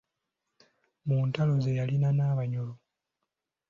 Mu ntalo ze yalina n’Abanyoro.